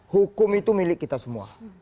hukum itu milik kita semua